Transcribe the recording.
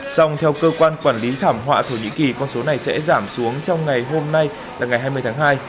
song theo cơ quan quản lý thảm họa thổ nhĩ kỳ con số này sẽ giảm xuống trong ngày hôm nay là ngày hai mươi tháng hai